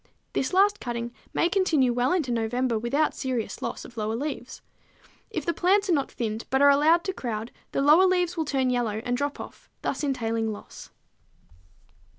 This last cutting may continue well into November without serious loss of lower leaves. If the plants are not thinned, but are allowed to crowd, the lower leaves will turn yellow and drop off, thus entailing loss.